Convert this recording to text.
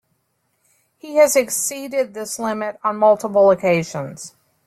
He has exceeded this limit on multiple occasions.